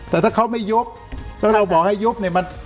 แต่ถ้าเขาไม่ยุบแล้วเราบอกให้ยุบ